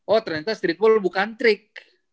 oh ternyata streetball bukan trik